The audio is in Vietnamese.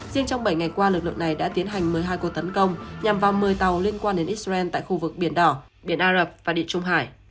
riêng trong bảy ngày qua lực lượng này đã tiến hành một mươi hai cuộc tấn công nhằm vào một mươi tàu liên quan đến israel tại khu vực biển đỏ biển ả rập và địa trung hải